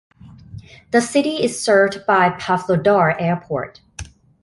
The city is served by Pavlodar Airport.